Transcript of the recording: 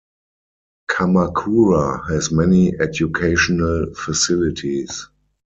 Kamakura has many educational facilities.